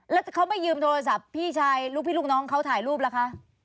แล้วเขาไม่ยืมโทรศัพท์พี่ชายลูกพี่ลูกน้องเขาถ่ายรูปล่ะคะ